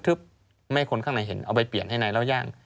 ไม่ให้คนข้างในเห็นเอาไปเปลี่ยนให้ในเล่าย่าง